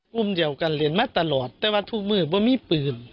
กลุ่มเดียวกันเรียนมาตลอดแต่ว่าทุกมือบ่มีปืน